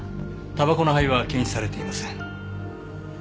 たばこの灰は検出されていません。